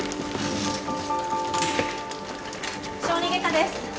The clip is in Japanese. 小児外科です！